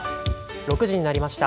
６時になりました。